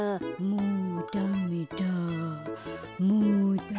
もうダメだ。